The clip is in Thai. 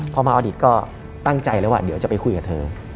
พอมาอดีตก็ตั้งใจแล้วว่าเดี๋ยวจะไปคุยกับเธอ